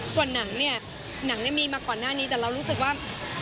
ส่วนหนังเนี่ยหนังเนี่ยมีมาก่อนหน้านี้แต่เรารู้สึกว่า